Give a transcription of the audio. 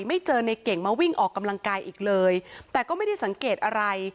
ไม่เจอในเก่งมาวิ่งออกกำลังกายอีกเลยแต่ก็ไม่ได้สังเกตอะไร